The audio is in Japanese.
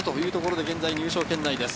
現在、入賞圏内です。